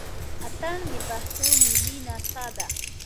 اتڼ د پښتنو ملي نڅا ده.